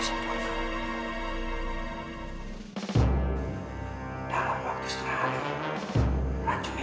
dia akan mati